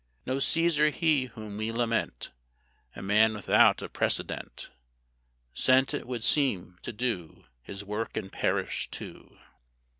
No Cæsar he whom we lament, A Man without a precedent, Sent, it would seem, to do His work, and perish, too.